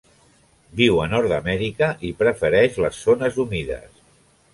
Viu a Nord-amèrica i prefereix les zones humides.